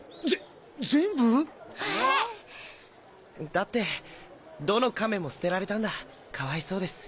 だってどの亀も捨てられたんだかわいそうです。